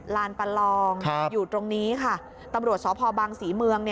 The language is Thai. ลานประลองอยู่ตรงนี้ค่ะตำรวจสพบังศรีเมือง